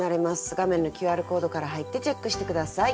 画面のＱＲコードから入ってチェックして下さい。